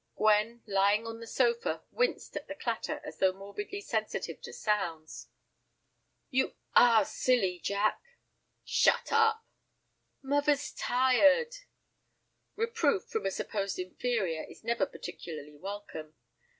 Gwen, lying on the sofa, winced at the clatter as though morbidly sensitive to sounds. "You are silly, Jack!" "Shut up." "Muvver's tired." Reproof from a supposed inferior is never particularly welcome.